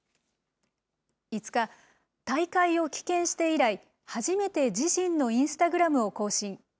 ５日、大会を棄権して以来、初めて自身のインスタグラムを更新。